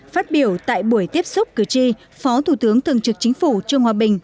phát biểu tại buổi tiếp xúc cử tri phó thủ tướng thường trực chính phủ trương hòa bình